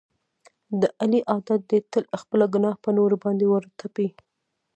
د علي عادت دی تل خپله ګناه په نورو باندې ور تپي.